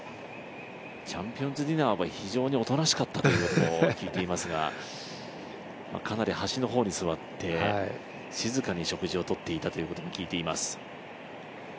チャンピオンズディナーは非常におとなしかったと聞いていますがかなり端の方に座って静かに食事をとっていたということも聞いています。